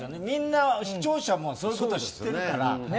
視聴者もそういうこと知ってるから。